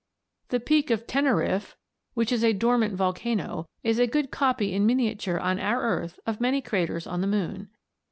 The peak of Teneriffe (Fig. 5), which is a dormant volcano, is a good copy in miniature on our earth of many craters on the moon.